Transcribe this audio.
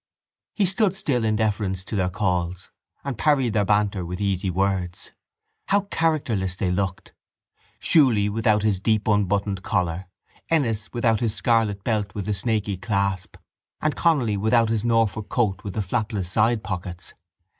He stood still in deference to their calls and parried their banter with easy words. How characterless they looked: Shuley without his deep unbuttoned collar, Ennis without his scarlet belt with the snaky clasp, and Connolly without his Norfolk coat with the flapless sidepockets!